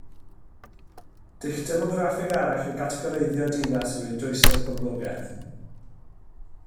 Dull demograffig arall o gategoreiddio dinas yw ei dwysedd poblogaeth